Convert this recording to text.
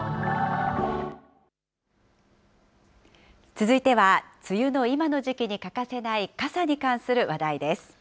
続いては、梅雨の今の時期に欠かせない傘に関する話題です。